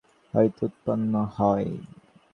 পরবর্তী সৃষ্টি আবার এইরূপে আকাশ হইতে উৎপন্ন হয়।